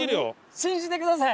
信じてください！